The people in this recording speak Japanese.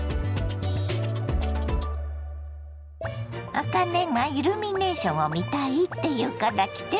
あかねがイルミネーションを見たいって言うから来てみたの。